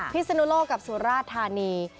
พิศนุโลกกับสุราธานี